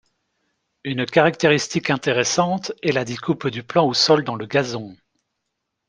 Une caractéristique intéressante est la découpe du plan au sol dans le gazon.